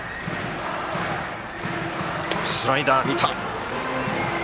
スライダーを見た。